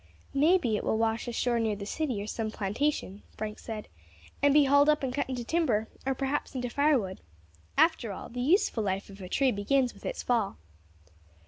"May be it will wash ashore near the city, or some plantation," Frank said, "and be hauled up and cut into timber, or perhaps into firewood. After all, the useful life of a tree begins with its fall."